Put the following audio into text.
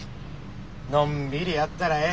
のんびりやったらええ。